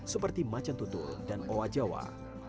seperti macan tutul dan owa jawa